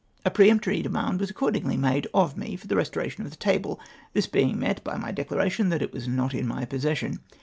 A peremptory demand was accordingly made of me for the restoration of the table, this beins[ met by my declaration that it was not in my possession.